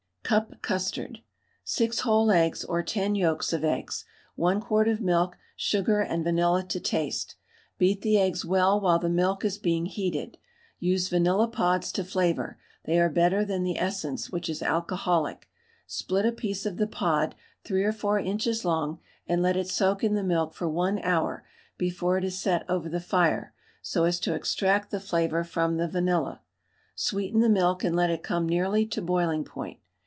CUP CUSTARD. 6 whole eggs or 10 yolks of eggs, 1 quart of milk, sugar and vanilla to taste. Beat the eggs well while the milk is being heated. Use vanilla pods to flavour they are better than the essence, which is alcoholic; split a piece of the pod 3 or 4 inches long, and let it soak in the milk for 1 hour before it is set over the fire, so as to extract the flavour from the vanilla. Sweeten the milk and let it come nearly to boiling point.